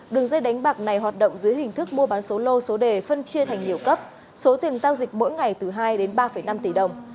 đường dây đánh bạc này hoạt động dưới hình thức mua bán số lô số đề phân chia thành nhiều cấp số tiền giao dịch mỗi ngày từ hai đến ba năm tỷ đồng